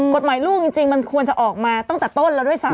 กฎหมายลูกจริงมันควรจะออกมาตั้งแต่ต้นแล้วด้วยซ้ำ